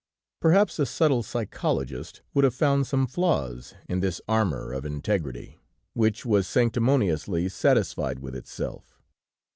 Perhaps a subtle psychologist would have found some flaws in this armor of integrity, which was sanctimoniously satisfied with itself.